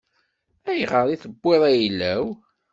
Ayɣer i tewwiḍ ayla-w?